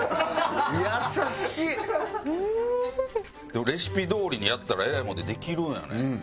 でもレシピどおりにやったらえらいもんでできるんやね。